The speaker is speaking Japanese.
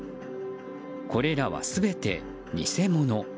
これらは、全て偽物。